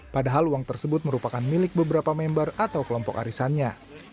padahal uang tersebut merupakan milik beberapa member atau kelompok arisannya